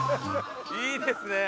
いいですね。